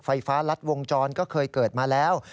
ไฟฟ้ารัดวงจรก็เคยเกิดมาแล้ว